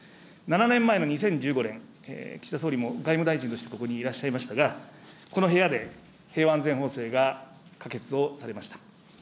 ７年前の２０１５年、岸田総理も外務大臣としてここにいらっしゃいましたが、この部屋で、平和安全法制が可決をされました。